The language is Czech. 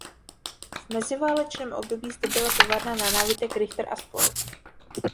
V meziválečném období zde byla továrna na nábytek firma Richter a spol.